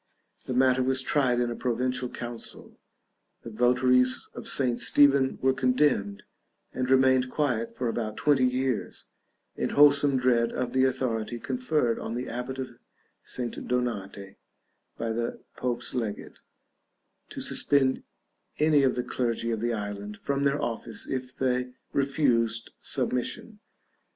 The matter was tried in a provincial council; the votaries of St. Stephen were condemned, and remained quiet for about twenty years, in wholesome dread of the authority conferred on the abbot of St. Donate, by the Pope's legate, to suspend any o the clergy of the island from their office if they refused submission.